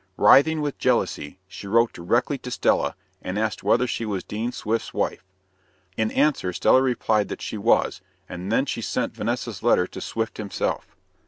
Writhing with jealousy, she wrote directly to Stella, and asked whether she was Dean Swift's wife. In answer Stella replied that she was, and then she sent Vanessa's letter to Swift himself.